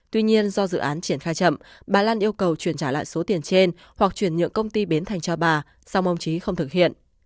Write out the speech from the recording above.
tuy nhiên do dự án triển khai chậm bà lan yêu cầu chuyển trả lại số tiền trên hoặc chuyển nhượng công ty bến thành cho bà song ông trí không thực hiện